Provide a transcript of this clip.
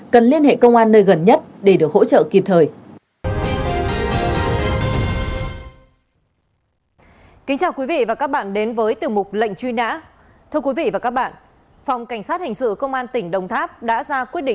cần liên hệ công an nơi gần nhất để được hỗ trợ kịp thời